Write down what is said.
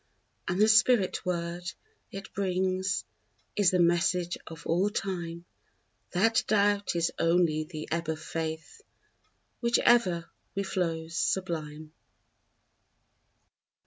And the spirit word it brings Is the message of all time, That doubt is only the ebb of faith, Which ever reflows sublime!